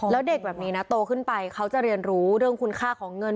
แล้วเด็กแบบนี้นะโตขึ้นไปเขาจะเรียนรู้เรื่องคุณค่าของเงิน